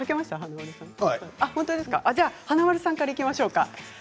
華丸さんからいきましょうか。